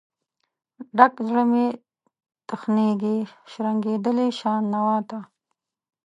ډک زړه مې تخنیږي، شرنګیدلې شان نوا ته